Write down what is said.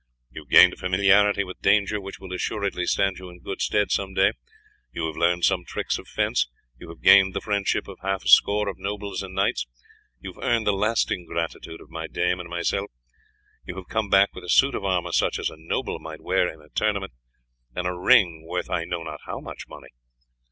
You have gained a familiarity with danger which will assuredly stand you in good stead some day, you have learned some tricks of fence, you have gained the friendship of half a score of nobles and knights; you have earned the lasting gratitude of my dame and myself, you have come back with a suit of armour such as a noble might wear in a tournament, and a ring worth I know not how much money.